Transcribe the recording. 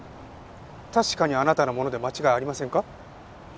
確かにあなたのもので間違いありませんか？